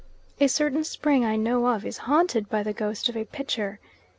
A certain spring I know of is haunted by the ghost of a pitcher.